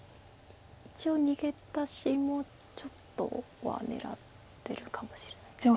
一応逃げ出しもちょっとは狙ってるかもしれないです。